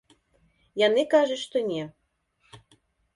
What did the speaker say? Яны кажуць, што не.